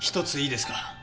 １ついいですか？